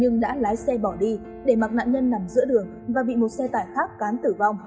nhưng đã lái xe bỏ đi để mặc nạn nhân nằm giữa đường và bị một xe tải khác cán tử vong